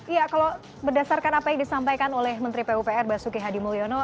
iya kalau berdasarkan apa yang disampaikan oleh menteri pupr basuki hadi mulyono